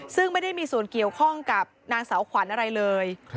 ซึ่งไม่ได้มีส่วนเกี่ยวข้องกับนางสาวขวัญอะไรเลย